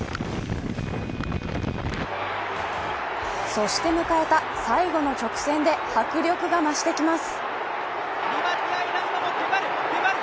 そして迎えた最後の直線で迫力が増してきます。